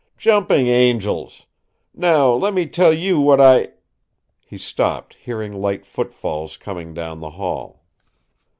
Jumping angels! Now, let me tell you what I " He stopped, hearing light footfalls coming down the hall.